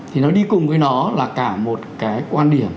thì nó đi cùng với nó là cả một cái quan điểm